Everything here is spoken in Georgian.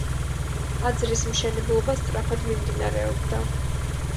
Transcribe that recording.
ტაძრის მშენებლობა სწრაფად მიმდინარეობდა.